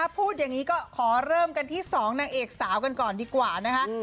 พูดอย่างนี้ก็ขอเริ่มกันที่๒นางเอกสาวกันก่อนดีกว่านะคะ